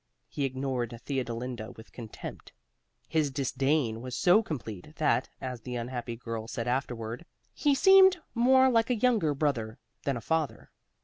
He ignored Theodolinda with contempt. His disdain was so complete that (as the unhappy girl said afterward) he seemed more like a younger brother than a father.